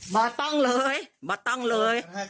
บ่ต้งเลยบ่ต้งเลย